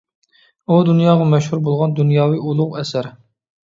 ئۇ دۇنياغا مەشھۇر بولغان دۇنياۋى ئۇلۇغ ئەسەر.